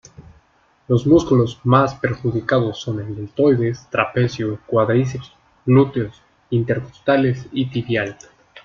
Los músculos más perjudicados son el deltoides, trapecio, cuádriceps, glúteos, intercostales y tibial.